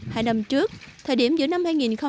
hai năm trước thời điểm giữa năm hai nghìn một mươi tám